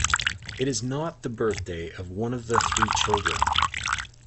It is not the birthday of one of the three children.